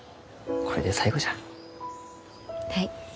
はい。